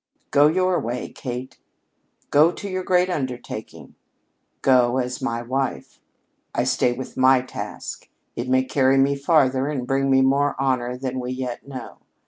"Go your way, Kate. Go to your great undertaking. Go as my wife. I stay with my task. It may carry me farther and bring me more honor than we yet know.